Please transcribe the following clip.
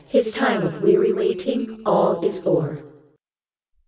His time of weary waiting all is o'er.